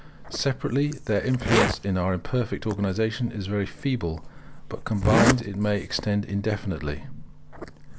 Separately, their influence in our imperfect organization is very feeble; but combined it may extend indefinitely.